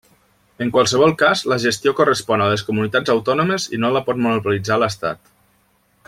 En qualsevol cas, la gestió correspon a les comunitats autònomes i no la pot monopolitzar l'Estat.